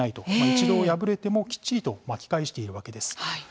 一度敗れてもきっちりと巻き返しているわけです。